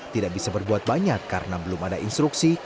tidak bisa berbuat banyak karena belum ada instruksi